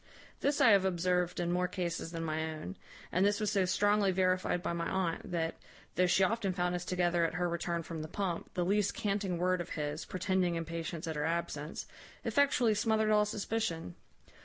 This I have observed in more cases than my own; and this was so strongly verified by my aunt, that, though she often found us together at her return from the pump, the least canting word of his, pretending impatience at her absence, effectually smothered all suspicion.